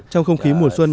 trong không khí mùa xuân